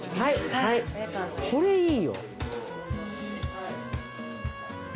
これいいよ。